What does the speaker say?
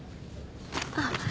あっ。